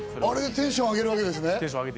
あれでテンションを上げるわけですね。